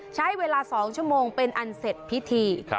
ใช้เวลา๒ชั่วโมงเป็นอันเสร็จพิธี